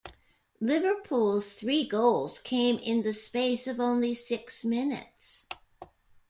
Liverpool's three goals came in the space of only six minutes.